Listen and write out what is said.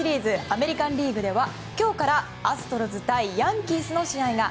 アメリカン・リーグでは今日から、アストロズ対ヤンキースの試合が。